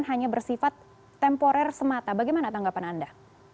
hanya bersifat temporer semata bagaimana tanggapan anda